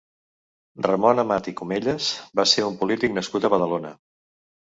Ramon Amat i Comellas va ser un polític nascut a Badalona.